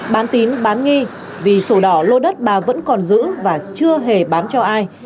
bán tín bán nghi vì sổ đỏ lô đất bà vẫn còn giữ và chưa hề bán cho ai